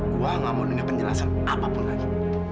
gue gak mau punya penjelasan apapun lagi